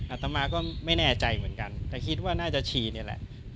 อาตมาก็ไม่แน่ใจเหมือนกันแต่คิดว่าน่าจะฉี่นี่แหละ